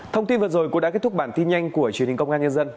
thông tin vừa rồi cũng đã kết thúc bản tin nhanh của truyền hình công an nhân dân